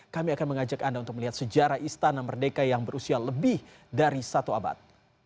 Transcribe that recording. kami akan mengajak anda untuk melihat sejarah istana merdeka yang berusia lebih dari satu abad